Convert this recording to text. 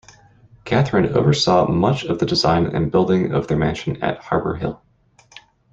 Katherine oversaw much of the design and building of their mansion at Harbor Hill.